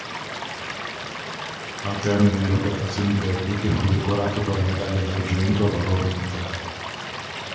Al termine delle operazioni belliche fu decorato con la Medaglia d'argento al valor militare.